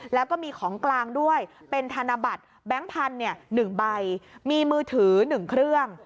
แล้วก็มีของกลางด้วยเป็นธนบัตรแบงค์พันธุ์๑ใบมีมือถือ๑เครื่อง